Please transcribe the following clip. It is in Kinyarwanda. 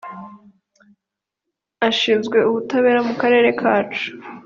ashinzwe ubutabera mu karere kacu